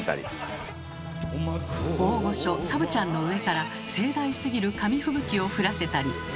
大御所サブちゃんの上から盛大すぎる紙吹雪を降らせたり。